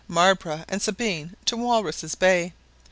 Marbre, and Sabine, to Walruses' Bay.